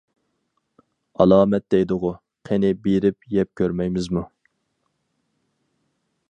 ئالامەت دەيدىغۇ؟ قېنى بېرىپ يەپ كۆرمەيمىزمۇ؟ !